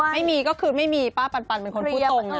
ไม่มีก็คือไม่มีป้าปันเป็นคนพูดตรงนะ